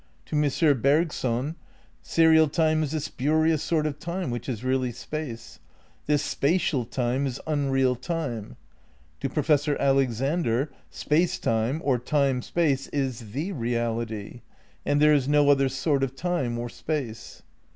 To M. Bergson serial time is a spurious sort of time which is really space ; this spatial time is un real time; to Professor Alexander Space Time, or Time Space is the reality, and there is no other sort of time or space.